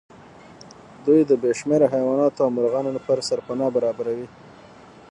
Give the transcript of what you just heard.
دوی د بې شمېره حيواناتو او مرغانو لپاره سرپناه برابروي.